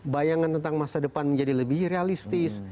bayangan tentang masa depan menjadi lebih realistis